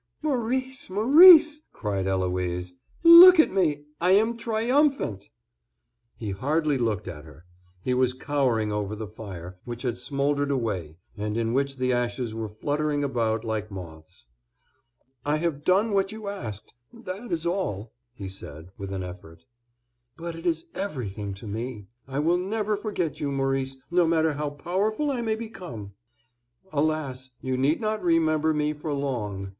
"Maurice, Maurice," cried Eloise, "look at me, I am triumphant!" He hardly looked at her; he was cowering over the fire, which had smouldered away, and in which the ashes were fluttering about like moths. "I have done what you asked, that is all," he said, with an effort. "But it is everything to me; I will never forget you, Maurice, no matter how powerful I may become." "Alas! you need not remember me for long.